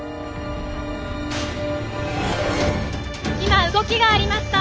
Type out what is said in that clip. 今動きがありました。